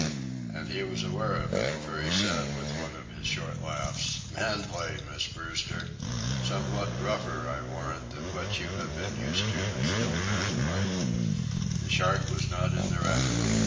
And he was aware of it, for he said, with one of his short laughs: "Man play, Miss Brewster. Somewhat rougher, I warrant, than what you have been used to, but still man play. The shark was not in the reckoning.